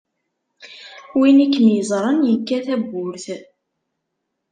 Win i kem-iẓranyekka tawwurt.